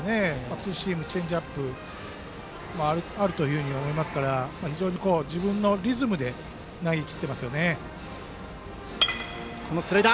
ツーシーム、チェンジアップもあると思いますから非常に自分のリズムで投げきっていますよね。